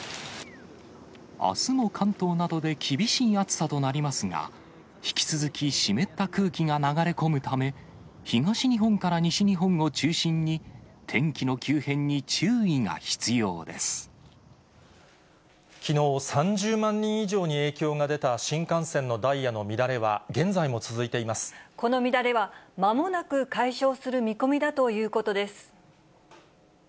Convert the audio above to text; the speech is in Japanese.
あすも関東などで厳しい暑さとなりますが、引き続き湿った空気が流れ込むため、東日本から西日本を中心に、きのう、３０万人以上に影響が出た新幹線のダイヤの乱れは、現在も続いてこの乱れは、まもなく解消する見込みだということです。